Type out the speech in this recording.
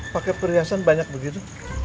pake perhiasan banyak begitu